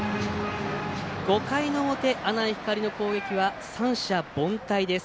５回の表、阿南光の攻撃は三者凡退です。